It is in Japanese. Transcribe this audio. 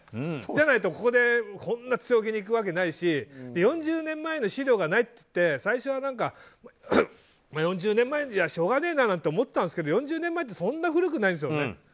じゃないとこんな強気で行くわけないし４０年前の資料がないといって最初は４０年前じゃしょうがないなって思ってたんですけど４０年前ってそんなに古くないんですよね。